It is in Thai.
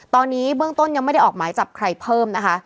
ตอนนี้เบื้องต้นยังไม่ได้ออกหมายจับใครเพิ่มนะคะ